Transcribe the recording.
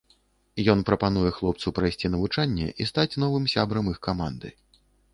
Ён прапануе хлопцу прайсці навучанне і стаць новым сябрам іх каманды.